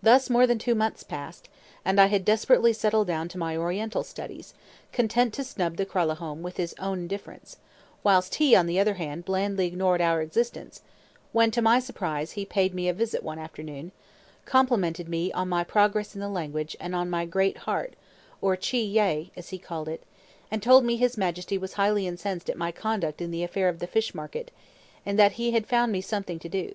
Thus more than two months passed, and I had desperately settled down to my Oriental studies, content to snub the Kralahome with his own indifference, whilst he, on the other hand, blandly ignored our existence, when, to my surprise, he paid me a visit one afternoon, complimented me on my progress in the language, and on my "great heart," or chi yai, as he called it, and told me his Majesty was highly incensed at my conduct in the affair of the fish market, and that he had found me something to do.